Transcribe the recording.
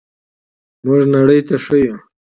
موږ نړۍ ته ښیو.